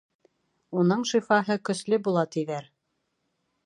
Уның шифаһы көслө була, тиҙәр.